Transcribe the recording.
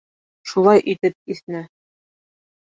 Шулай итеп, иҫнә!